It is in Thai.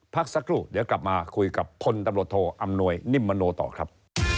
พักสักครู่เดี๋ยวกลับมาคุยกับพลตำรวจโทอำนวยนิ่มมโนต่อครับ